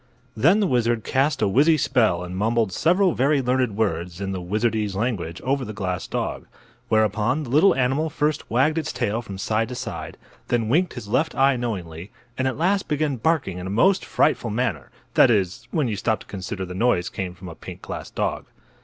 Then the wizard cast a wizzy spell and mumbled several very learned words in the wizardese language over the glass dog. Whereupon the little animal first wagged its tail from side to side, then winked his left eye knowingly, and at last began barking in a most frightful manner—that is, when you stop to consider the noise came from a pink glass dog.